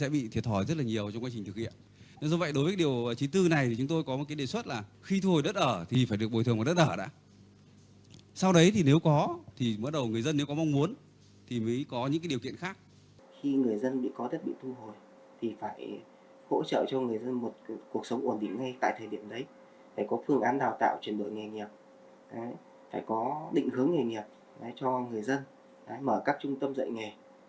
phải có phương án đào tạo chuyển đổi nghề nghiệp phải có định hướng nghề nghiệp cho người dân mở các trung tâm dạy nghề